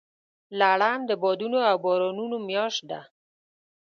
لړم د بادونو او بارانونو میاشت ده.